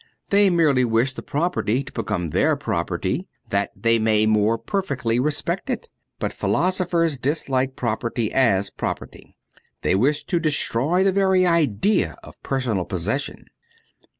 They merely wish the property to become their property that they may more perfectly respect it. But philosophers dislike property as property ; they wish to destroy the very idea of personal possession.